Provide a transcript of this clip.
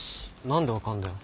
何で分かるんだよ。